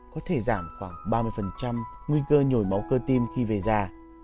có thể giảm khoảng ba mươi nguy cơ nhồi máu cơ tim khi về già